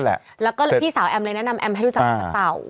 แล้วก็พี่สาวแอมเลยแนะนำแอมให้รู้จักกับเต่า